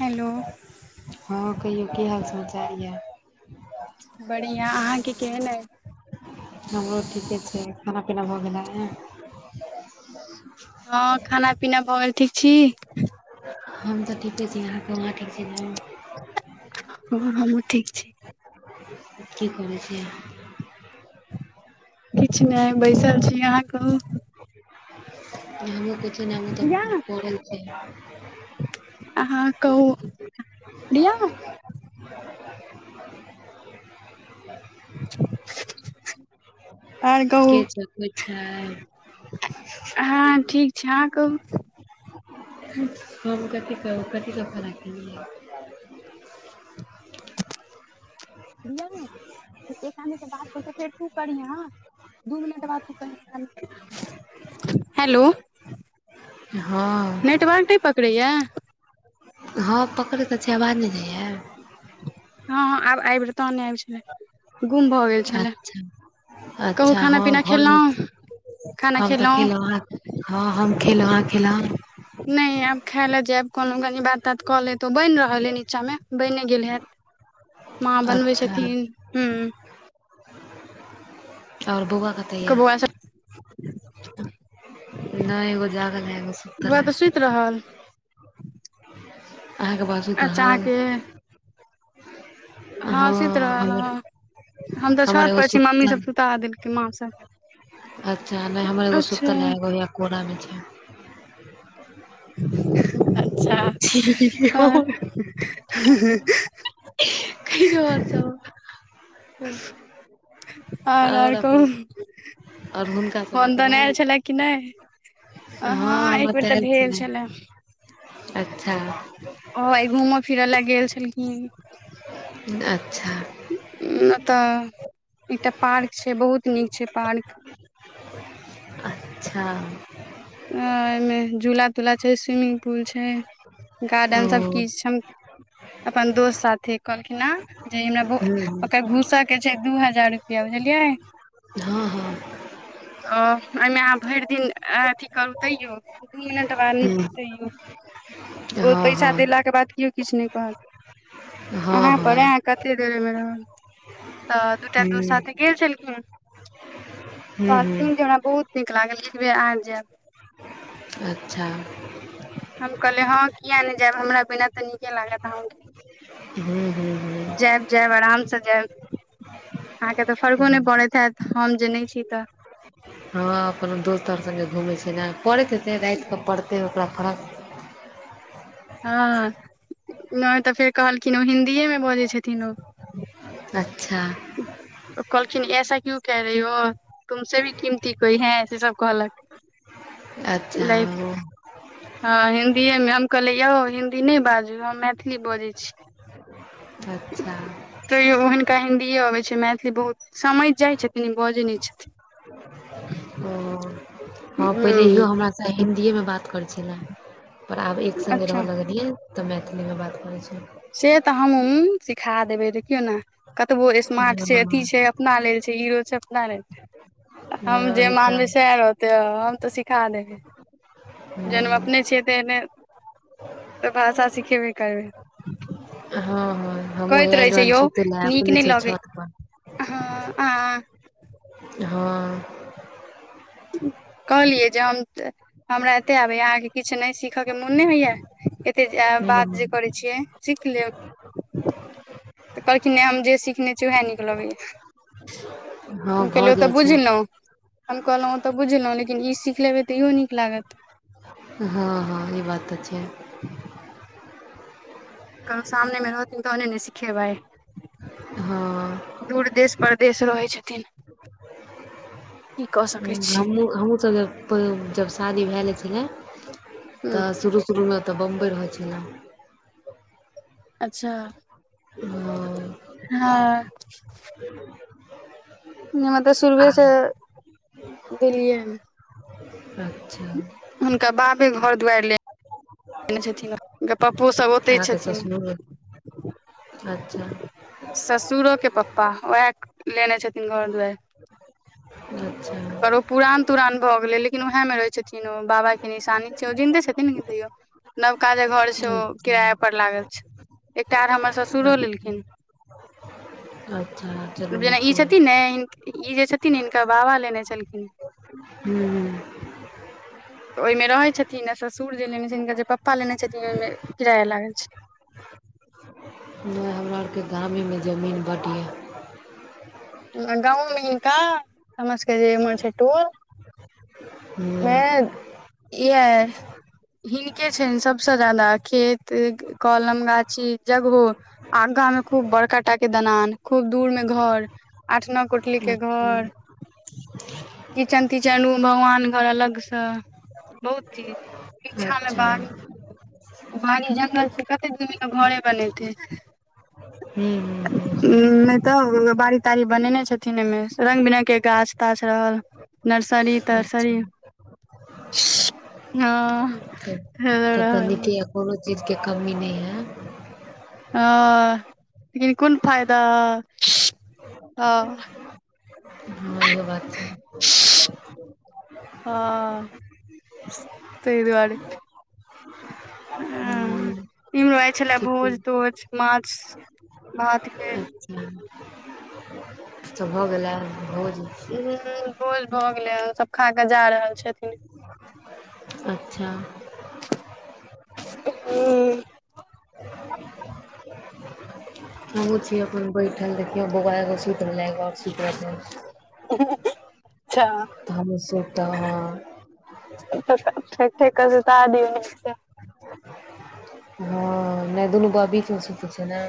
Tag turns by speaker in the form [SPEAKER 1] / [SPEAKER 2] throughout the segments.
[SPEAKER 1] Hello.
[SPEAKER 2] हँ कहियौ, की हाल समचार ये।
[SPEAKER 1] बढ़िया, अहाँके केहन अछि।
[SPEAKER 2] हमरो ठीके छै, खाना पीना भऽ गेलै ये।
[SPEAKER 1] हँ खाना पीना भऽ गेल, ठीक छी?
[SPEAKER 2] हम तऽ ठीके छी, अहाँ कहु अहां ठीक छी ने।
[SPEAKER 1] हँ हमहुं ठीक छी।
[SPEAKER 2] कि करै छि।
[SPEAKER 1] किछ नहि बैसल छी अहाँ कहू- -
[SPEAKER 2] हमहूँ किछु ने हम हुं तऽ परल छलौ।
[SPEAKER 1] आहाँ कहु लिअ। आर
[SPEAKER 2] [unintelligible]
[SPEAKER 1] कहू
[SPEAKER 2] के छैके छैइ।
[SPEAKER 1] हँ ठीक छै हँ कहू- -
[SPEAKER 2] हम कथी कहु कथी सब खानाई खेलियै या।
[SPEAKER 1] या सुतेकाल मे जे बात पलटेते देखु कनिया। दू मिनट बाद तनी काल में हेलो।
[SPEAKER 2] हँ
[SPEAKER 1] नेटवर्क न इ पकड़ैया।
[SPEAKER 2] हँ पकड़ैत छै, आवाज नइ जाइयए।
[SPEAKER 1] हँ हँ आब आबि जेबें तहने आबि जेबे गुम भऽ गेल छलैई।
[SPEAKER 2] अच्छा
[SPEAKER 1] कहु
[SPEAKER 2] अच्छा
[SPEAKER 1] खाना
[SPEAKER 2] हँ
[SPEAKER 1] पीना
[SPEAKER 2] घरमे
[SPEAKER 1] खेलोहु खाना
[SPEAKER 2] हम तऽ खेलहुँ
[SPEAKER 1] खेलहु- -
[SPEAKER 2] अहाँ हँ हम खेला खेला- -
[SPEAKER 1] नेइ आब खाय लाए जायब कोनो कनी बात तात कऽ लेतोउ बनि रहल अइ नीचा मे बने गेल हैत। माँ बनबै
[SPEAKER 2] अच्छा
[SPEAKER 1] छथिन हु- -
[SPEAKER 2] आऔर बोआा क- -
[SPEAKER 1] क बौआ सब -
[SPEAKER 2] न इ एगो जागल हई एगो सुतल हई।
[SPEAKER 1] सुत रहल।
[SPEAKER 2] अहाँके बाद - -
[SPEAKER 1] अचा अहा के - - हँ सुति रहल
[SPEAKER 2] हमर
[SPEAKER 1] हँ हम तऽ
[SPEAKER 2] हमर
[SPEAKER 1] छत
[SPEAKER 2] एगो
[SPEAKER 1] पर छि, मम्मी
[SPEAKER 2] सुतल
[SPEAKER 1] सब सुता देलकै माँ सब- -
[SPEAKER 2] अच्छा नई हमर एगो सुतल है, एगो हैया कोरामे छै।
[SPEAKER 1] अच्छा- -
[SPEAKER 2] ही-ही-ही ह
[SPEAKER 1] ख हम्म - हम्म
[SPEAKER 2] कि कहल को- - आओर अपन, अब हुनकासँ
[SPEAKER 1] फोन
[SPEAKER 2] बात
[SPEAKER 1] तोन आयल
[SPEAKER 2] भेल?
[SPEAKER 1] छलए कि नहि
[SPEAKER 2] हँ हम
[SPEAKER 1] एक
[SPEAKER 2] अत
[SPEAKER 1] बेेर तऽ
[SPEAKER 2] एल
[SPEAKER 1] भेल
[SPEAKER 2] छियै,
[SPEAKER 1] छलए
[SPEAKER 2] अच्छा
[SPEAKER 1] आई घूमअ फिरअ लए गेल छलखिन।
[SPEAKER 2] अच्छा।
[SPEAKER 1] म ता एकटा पार्क छै बहुत नीक छै पार्क
[SPEAKER 2] अच्छा
[SPEAKER 1] ओइ मे झूला तूला छै स्विमिंग पूल छै। गार्डन सब
[SPEAKER 2] ओ हूँ
[SPEAKER 1] किछ छन, अपन दोस्त साथे कहलखिन ये जे ने बु,
[SPEAKER 2] हूँ
[SPEAKER 1] ओकर घुसअके छै दू हजार रुपैआ बुझलियै।
[SPEAKER 2] हँ हँ।
[SPEAKER 1] ओऽ ओइमे अहाँ भइर दिन अथी करू तयो दू मिनट बाद
[SPEAKER 2] हूँ
[SPEAKER 1] निकलु तयो। ओ
[SPEAKER 2] हँ
[SPEAKER 1] पैसा देला
[SPEAKER 2] हँ
[SPEAKER 1] के बाद किओ किछ नयि कहत,
[SPEAKER 2] हँ
[SPEAKER 1] अहाँ पर
[SPEAKER 2] हँ
[SPEAKER 1] ए कते [unintelligible] तऽ दूटा दोस्त
[SPEAKER 2] हूँ
[SPEAKER 1] साथे गेल छेलखिन
[SPEAKER 2] हूँ
[SPEAKER 1] कहलखिन जे
[SPEAKER 2] हूँ
[SPEAKER 1] हमरा बहुत नीक लागल एक बेर आयब जायब।
[SPEAKER 2] अच्छा।
[SPEAKER 1] हम कहलिये हँ किया नै जैब हमरा बिना तऽ नीके लागत अहाँके।
[SPEAKER 2] हू हू ह।
[SPEAKER 1] जैब जैब आरामसँ जैब। अहाँके तऽ फर्को नै पड़ैत हैत हम जे नै छी तऽ।
[SPEAKER 2] आ कोनो दोस्त ओर संगे घुमय छै नै परैत हेतै राति कऽ पड़तै ओकरा फरक।
[SPEAKER 1] हँ नै तऽ फेर कहलखिन ओ हिन्दीएमे बजै छथिन ओ।
[SPEAKER 2] अच्छा।
[SPEAKER 1] कहलखिन ऐसा क्यु कह रही हो? तुमसे भी कीमती कोई है से सब कहलक।
[SPEAKER 2] अच्छा
[SPEAKER 1] लैथ
[SPEAKER 2] ओ।
[SPEAKER 1] हँ हिन्दीएमे हम कहलियै यौ हिन्दी नै बाजू हम मैथिली बजै छी।
[SPEAKER 2] अच्छा।
[SPEAKER 1] तैयो हुनका हिन्दीए अबै छै मैथिली बहुत समझि जाइ छथिन ई बजै नै छथिन।
[SPEAKER 2] ओ हँ
[SPEAKER 1] छथिन
[SPEAKER 2] पहिले इहो ह
[SPEAKER 1] हूँ
[SPEAKER 2] हिन्दीए मे बात करै छेला पर आब एक संगे रह
[SPEAKER 1] अच्छा
[SPEAKER 2] लगलियै। तऽ मैथिलीमे बात करै छै।
[SPEAKER 1] से तऽ हमऽ सिखा देबै देखियो न कतबो स्मार्ट छै
[SPEAKER 2] हँ
[SPEAKER 1] अथी छै। अपना लेल छै हीरो छै अपना लेल हम
[SPEAKER 2] हँ
[SPEAKER 1] जे
[SPEAKER 2] ओही तऽ
[SPEAKER 1] मानबे सेहा रह तै हम तऽ सिखा देबै।
[SPEAKER 2] हँ
[SPEAKER 1] जेहन हम अपने छियै तेहने तऽ भाषा सिखेबे करबै।
[SPEAKER 2] हँ हँ। हमहु
[SPEAKER 1] कहैत रहै
[SPEAKER 2] एलौ
[SPEAKER 1] छै
[SPEAKER 2] हन
[SPEAKER 1] यौ
[SPEAKER 2] सूतयै लै
[SPEAKER 1] नीक
[SPEAKER 2] अपने
[SPEAKER 1] नहि
[SPEAKER 2] छै
[SPEAKER 1] लगै
[SPEAKER 2] छत पर।
[SPEAKER 1] हँ अहाँ
[SPEAKER 2] हँ।
[SPEAKER 1] कहलियै जे हम हमरा एते आबैया अहाँके किछ नै सीखयके मोन नै होइया। अते जे अहाँ बात जे करै छियै सीख लेब। तऽ कहलखिन है हम जे सिखने छी उएह नीक लगैए।
[SPEAKER 2] हँ
[SPEAKER 1] हम
[SPEAKER 2] भऽ
[SPEAKER 1] कहलियै ओ तऽ
[SPEAKER 2] जाइ छै
[SPEAKER 1] बुझलौ। हम कहलहुँ ओ तऽ बुझलहुँ लेकिन ई सीख लेबै तऽ इहो नीक लागत।
[SPEAKER 2] हँ हँ ई बात तऽ छै।
[SPEAKER 1] कभी सामने मे रहथिन तहने ने सिखेबै।
[SPEAKER 2] हँ
[SPEAKER 1] दूर देश परदेश रहै छथिन की कऽ सकै छी।
[SPEAKER 2] हम हमहुँ सब जब शादी भेले छलै
[SPEAKER 1] ह
[SPEAKER 2] तऽ शुरू शुरूमे तऽ बम्बइ रहै छला।
[SPEAKER 1] अच्छा।
[SPEAKER 2] ओ।
[SPEAKER 1] हँ।
[SPEAKER 2] [inaudible]
[SPEAKER 1] हमरा तऽ
[SPEAKER 2] आ
[SPEAKER 1] शुरूए सऽ दिल्लीए मे।
[SPEAKER 2] अच्छा।
[SPEAKER 1] हुनकर बाबे घर दुआरि ले लेने छथिन हुनकर पप्पोसब ओतै
[SPEAKER 2] अहाँके
[SPEAKER 1] छथिन।
[SPEAKER 2] ससुर अच्छा।
[SPEAKER 1] ससुरो के पप्पा उएह लेने छथिन घर दुआरि।
[SPEAKER 2] अच्छा
[SPEAKER 1] ओ पुरान तुरान भऽ गेलै लेकिन उएह मे रहै छथिन ओ बाबा के निशानी छै, ओ जिन्दे छथिन लेकिन तैयो नबका जे घर छै ओ
[SPEAKER 2] अच्छा
[SPEAKER 1] किराया पर लागल छै। एकटा आर हमर ससुरो
[SPEAKER 2] अच्छा
[SPEAKER 1] लेलखिन।
[SPEAKER 2] अच्छा, चलू
[SPEAKER 1] जेना ई
[SPEAKER 2] नीके अइ
[SPEAKER 1] छथिन नै ई जे छथिन हिनकर बाबा लेने छलखिन।
[SPEAKER 2] हूं
[SPEAKER 1] ओहिमे रहै छथिन आ ससुर जे लेने छथिन हिनकर जे पप्पा लेने छथिन ओहिमे किराया लागल छै।
[SPEAKER 2] नै हमरा के गामे मे जमीन बड्ड यै।
[SPEAKER 1] आ गाँवो मे हिनका हमर सबके जेम्हर छै टोल मे इहै हिनके छैन सभस ज्यादा खेत, कलम, गाछी जगहो आगां में खूब बड़का टा के दनान खूब दूर में घर आठ नौ कोठली के
[SPEAKER 2] अच्छा
[SPEAKER 1] घर, किचन तिचन रुम, भगवान घर अलग स बहुत चीज पीछा मे
[SPEAKER 2] अच्छा
[SPEAKER 1] बाडी बाड़ी जंगल छै कते दूर मे लोग घरे बनेतै।
[SPEAKER 2] हूं हूं।
[SPEAKER 1] ऊं नहि तऽ बाड़ी ताड़ी बनेने छथिन एहिमे रंग बिरंग के गाछ ताछ रहल। नर्सरी
[SPEAKER 2] अच्छा
[SPEAKER 1] तर्सरी हँ
[SPEAKER 2] तब
[SPEAKER 1] [unintelligible]
[SPEAKER 2] तब तऽ नीके
[SPEAKER 1] रहल।
[SPEAKER 2] यए कोनो चीज के कमी नै यै।
[SPEAKER 1] हॅं लेकिन कोन फायदा अ
[SPEAKER 2] हँ ये ओ बात छै।
[SPEAKER 1] तै दुआरे। हॅं
[SPEAKER 2] हूँ
[SPEAKER 1] इम्हरो आइ छलै
[SPEAKER 2] ठीके
[SPEAKER 1] भोज तोज माछ भात के।
[SPEAKER 2] [unintelligible] तऽ भऽ गेलै भोज?
[SPEAKER 1] हूं भोज भऽ गेलै हन सब खा क जा रहल छथिन।
[SPEAKER 2] अच्छा
[SPEAKER 1] हूं।
[SPEAKER 2] [unintelligible] हमहुं छी अपन बैठल देखियौ बौआ एगो सुति रहलै एगो और सुति रहतै
[SPEAKER 1] अच्छा।
[SPEAKER 2] तऽ हमु सुतब।
[SPEAKER 1] ठोकि ठोकि क सुता दियौ [unintelligible]
[SPEAKER 2] हँ नहि दुनू बौआ बीच मे सुते छै ने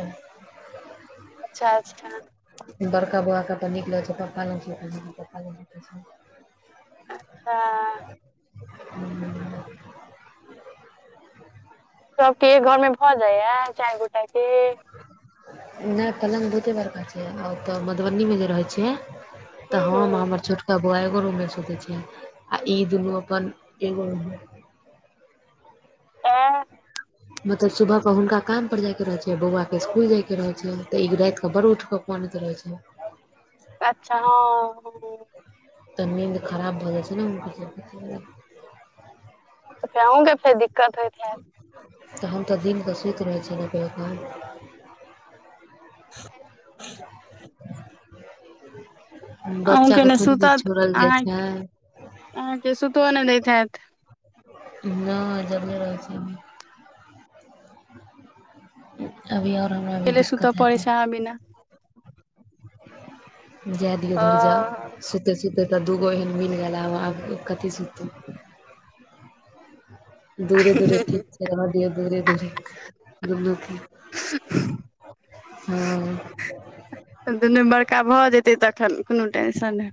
[SPEAKER 1] अच्छा अच्छा।
[SPEAKER 2] बड़का बौआकेँ अपन नीक लगैछै पप्पा लग सुतै में त पप्पा लग सुतै छै।
[SPEAKER 1] अच्छा।
[SPEAKER 2] हम्म
[SPEAKER 1] सबके एक घर में भऽ जाइयै चारि गोटा के?
[SPEAKER 2] नहि पलङ्ग बहुते बड़का छै आ ओतऽ मधुबनीमे जे रहै छीयै तऽ
[SPEAKER 1] हूं
[SPEAKER 2] हम
[SPEAKER 1] हूं
[SPEAKER 2] हमर छोटका ब बौआ एगो रूममे सुतै छै आओर ई दुनू अपन एगो रूममे।
[SPEAKER 1] आ।
[SPEAKER 2] मतलब सुबहके हुनका कामप पर जाइके रहै छै बौआके इसकुल जाइके रहै छै तऽ ई रातिकेऽ बड़ उठ कऽ। मनैत रहै छै।
[SPEAKER 1] अच्छा हँ हँ।
[SPEAKER 2] तऽ निंद खराब भऽ जाइ छै ने हुनकर सबके।
[SPEAKER 1] अच्छा अहूके फेर दिक्कत होइत हेत।
[SPEAKER 2] तऽ हम तऽ दिनकऽ सुति रहैत छलौ कहियो काल।
[SPEAKER 1] आ अहूँ
[SPEAKER 2] बच्चा के थोड़ी ने
[SPEAKER 1] सुतत
[SPEAKER 2] छोड़ल जाइ
[SPEAKER 1] अहाँ
[SPEAKER 2] छै।
[SPEAKER 1] अहाँके सुतो नहि देत हेत।
[SPEAKER 2] नहि जगले रहै छै। अभी आओर हमरा अभी दिक्कत हेतै।
[SPEAKER 1] आ बिना।
[SPEAKER 2] जाय दियौ धुरजाऊ
[SPEAKER 1] हँ
[SPEAKER 2] सुतै सुत तऽ दूगो एहन मिल गेल आब कथी सुतू। दूरे-दूरे ठीक छै रह दियऔ दूरे-दूरे दुनू। हँ।
[SPEAKER 1] तऽ दुनू बड़का भऽ जेतै तखन कोनो टेंशन नै।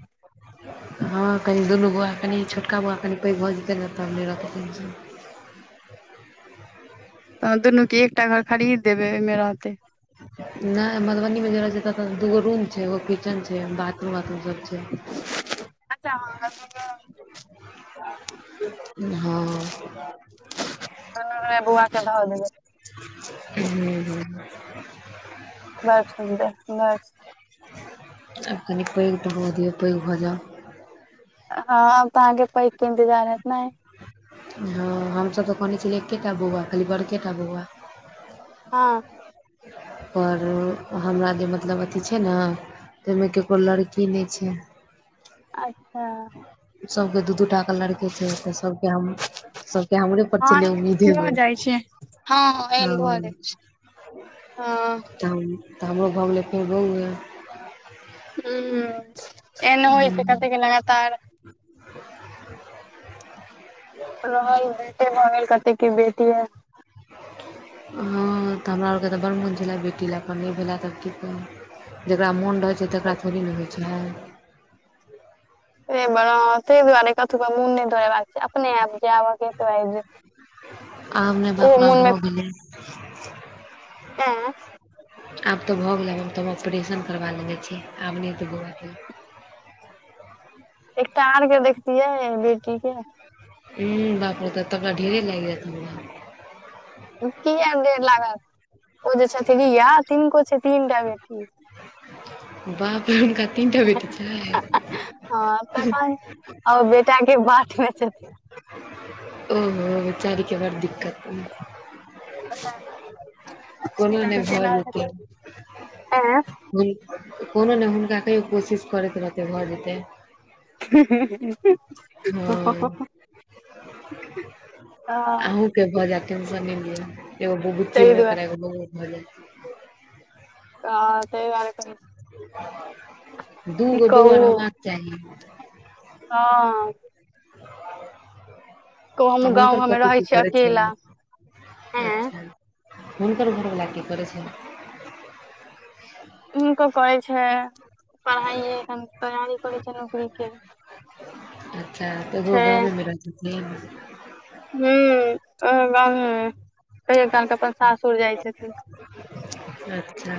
[SPEAKER 2] हँ कनि दुनू बौआ कनि छोटका बौआ कनि पैघ भऽ जेतै ने तब नहि रहतै टेंशन।
[SPEAKER 1] तऽ दुनूके एकटा घर खरीद देबै ओहिमे रहतै।
[SPEAKER 2] नहि मधुबनी मे जे रहे छै तऽ तऽ दूगो रूम छै एगो किचेन छै बाथरूम वाथरूम सब छै।
[SPEAKER 1] [inaudible]
[SPEAKER 2] हँ।
[SPEAKER 1] हा बउवा के धऽ देैबे।
[SPEAKER 2] हूँ।
[SPEAKER 1] बड़ सुन्दर बड़ सु
[SPEAKER 2] आब कनि पैघ तऽ होबे दियो पैघ भऽ जाउ।
[SPEAKER 1] हँ आब तऽ अहाँके पैग के इन्तजार हयत ने।
[SPEAKER 2] हँ हमसभ तऽ कहने छलै एकेटा बौआ खाली बड़केटा बौआ।
[SPEAKER 1] हँ।
[SPEAKER 2] पर हमरा जे मतलब अथी छै ने तहिमे ककरो लड़की नहि छै।
[SPEAKER 1] अच्छा।
[SPEAKER 2] सबके दू-दू टा। लड़के छै तऽ सबके-सबके हमरे पर
[SPEAKER 1] हँ
[SPEAKER 2] छले उम्मीद
[SPEAKER 1] एहन भऽ
[SPEAKER 2] एगो।
[SPEAKER 1] जाइ छै हँ एहन भ जय छय हँ।
[SPEAKER 2] तब त हमरो भ गेलै फेर बोउवे।
[SPEAKER 1] हूँ एहन होइ छै कते के लगातार। रहल बेटे भऽ गेल कते के बेटीये।
[SPEAKER 2] हँ तऽ हमरा आरके तऽ बड़ मोन छले बेटी लए अपन नहि भेलए तऽ की कहू। जकरा मोन रहै छै तकरा थोड़े ने होइ छै।
[SPEAKER 1] ए बेर अहा तैय दुआरे। कथू में मुन नहि दौरेबाक चाही अपने आप जे आबै के हेते से आबि जेते।
[SPEAKER 2] आब नहि बापरे बाप भऽ गेल।
[SPEAKER 1] ऐ।
[SPEAKER 2] आब तऽ भऽ गेलै हम तऽ हम ऑपरेशन करबा लेने छी आब नहि तऽ हुआ।
[SPEAKER 1] एकटा आर के देखतियै बेटी के।
[SPEAKER 2] हू बाप रे तबते हमरा ढेरे लागि जायत हमरा।
[SPEAKER 1] किए ढ़ेर लागत ओ जे छथि रिया तिनको छै तीनटा बेटी।
[SPEAKER 2] बाप रे हुनका तीनटा बेटी छै।
[SPEAKER 1] आओर बेटाक के बाट मे छथि।
[SPEAKER 2] ओहो बिचारी के बड़ दिक्कत।
[SPEAKER 1] पता
[SPEAKER 2] कोनो नहि
[SPEAKER 1] नै
[SPEAKER 2] भऽ जेतै
[SPEAKER 1] [inaudible] ऐ।
[SPEAKER 2] कोनो नहि हुनका कहियो कोशिश करैत रहतै भऽ जेतै। हँ
[SPEAKER 1] हॉ।
[SPEAKER 2] फेर भऽ जेत टेंशन नई लियऽ एगो बुच्ची हेबे करै एगो बोउओ भऽ जायत।
[SPEAKER 1] आ ताहि दुवारे [inaudible]
[SPEAKER 2] दू गो दोआर
[SPEAKER 1] कहू
[SPEAKER 2] रहबाक चाही।
[SPEAKER 1] हँ।
[SPEAKER 2] आ
[SPEAKER 1] हमहुँ गाँव
[SPEAKER 2] हुनकर
[SPEAKER 1] घरमे
[SPEAKER 2] पति
[SPEAKER 1] रहै
[SPEAKER 2] की
[SPEAKER 1] छी
[SPEAKER 2] करै छैन
[SPEAKER 1] अकेला ऐं
[SPEAKER 2] जे? हुनकर घरवला की करैत छै?
[SPEAKER 1] हुनको करै छै पढ़ाइये एखन तैयारी करै छै नौकरीके।
[SPEAKER 2] अच्छा तऽ एगो गामें में रहै छथिन?
[SPEAKER 1] ह्म्म एखन गामे में कहियो कालके अपन सासुर जाइ छथिन।
[SPEAKER 2] अच्छा।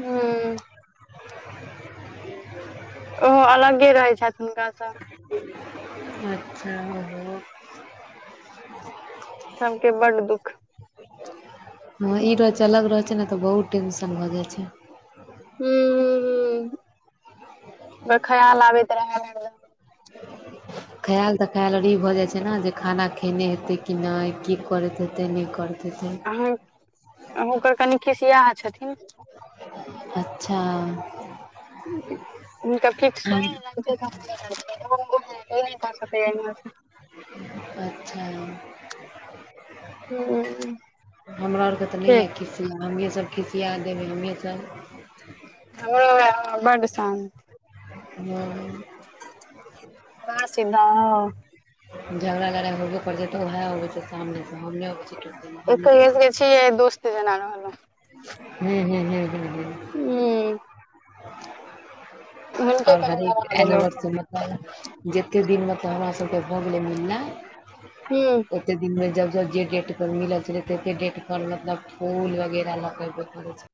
[SPEAKER 1] हू। ओहो अलगे रहैत छथि हुनकासँ।
[SPEAKER 2] अच्छा।
[SPEAKER 1] सबके बड्ड दुःख।
[SPEAKER 2] हँ ई [inaudible] रहै छै ने तऽ बहुत टेंशन भऽ जाइ छै।
[SPEAKER 1] ह ह ह [inaudible] खयाल आबैत रहे एकदम। [inaudible]
[SPEAKER 2] खयाल तऽ खयालर ई भऽ जाइत छै ने जे खाना खेने हेतै कि नहि की करैत हेतै नहि करैत हेतै।
[SPEAKER 1] अह ओकर कनि खिसियाह छथिन।
[SPEAKER 2] अच्छा।
[SPEAKER 1] [inaudible] [inaudible] नहि
[SPEAKER 2] हम
[SPEAKER 1] भऽ सकैये अहि में।
[SPEAKER 2] अच्छा।
[SPEAKER 1] हूँ
[SPEAKER 2] हमरा आरके तऽ नहि
[SPEAKER 1] ठीक छै,
[SPEAKER 2] य किछ। त हमे सब खिसिया देब हममेसभ।
[SPEAKER 1] [inaudible] बड शांत।
[SPEAKER 2] ह।
[SPEAKER 1] [inaudible]
[SPEAKER 2] झगड़ा झगड़ा होबे करत छै तऽ ओएह अबैत छै सामनेसँ हम नहि अबैत छिय।
[SPEAKER 1] एकर ई एगो छै दोस्त जेना रहलहु।
[SPEAKER 2] हू हू हू ह।
[SPEAKER 1] हू। हुनके
[SPEAKER 2] और
[SPEAKER 1] कनि
[SPEAKER 2] हरिक
[SPEAKER 1] दबा
[SPEAKER 2] ऐन
[SPEAKER 1] देलौं
[SPEAKER 2] वक्त मऽ। जते दिन मतलब हमरा सबके भऽ गेलै मिलना
[SPEAKER 1] हूँ
[SPEAKER 2] ओ? जते दिनमे जब जब जे डेटपर मिलल छलै तते डेटपर मतलब फूल वगेरह लक अबैत रहै छै।